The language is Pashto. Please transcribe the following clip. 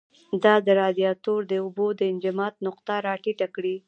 دا د رادیاتور د اوبو انجماد نقطه را ټیټه کړي.